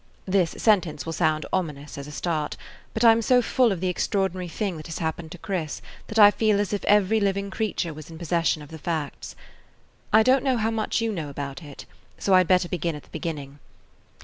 This sentence will sound ominous as a start, but I 'm so full of the extraordinary thing that has happened to Chris that I feel as if every living creature was in possession of the facts. I don't know how much you know about it, so I 'd better begin at the beginning.